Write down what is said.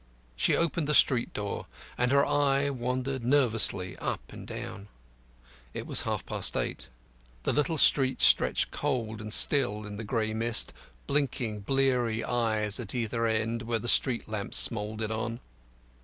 She opened the street door, and her eye wandered nervously up and down. It was half past eight. The little street stretched cold and still in the grey mist, blinking bleary eyes at either end, where the street lamps smouldered on.